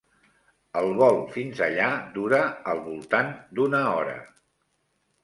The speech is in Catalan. El vol fins allà dura al voltant d'una hora.